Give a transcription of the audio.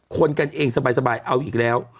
คนกันเองสบายเอาอีกแล้ว